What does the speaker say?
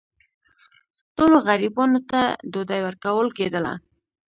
ټولو غریبانو ته ډوډۍ ورکول کېدله.